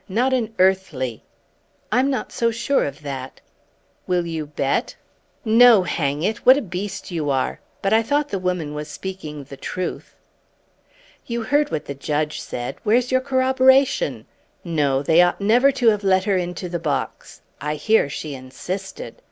Not an earthly!" "I'm not so sure of that." "Will you bet?" "No, hang it! What a beast you are! But I thought the woman was speaking the truth." "You heard what the judge said. Where's your corroboration? No, they ought never to have let her go into the box. I hear she insisted.